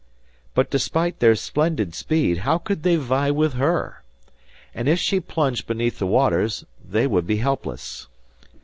But despite their splendid speed, how could they vie with her! And if she plunged beneath the waters, they would be helpless.